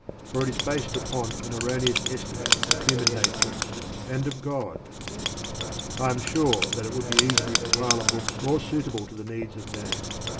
For it is based upon an erroneous estimate of human nature and of God. I am sure that it would be easy to compile a book more suitable to the needs of Man.